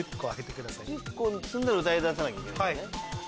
１０個積んだら歌い出さなきゃいけないのね。